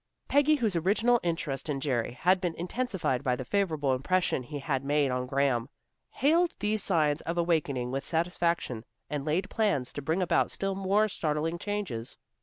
Peggy, whose original interest in Jerry had been intensified by the favorable impression he had made on Graham, hailed these signs of awakening with satisfaction, and laid plans to bring about still more startling changes.